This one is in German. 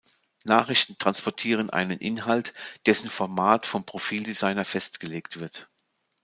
Nachrichten transportieren einen Inhalt, dessen Format vom Profil-Designer festgelegt wird.